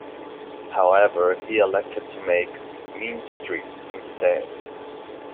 However he elected to make "Mean Streets" instead.